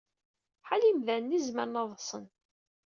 Ḥala imdanen i zemren ad ḍṣen.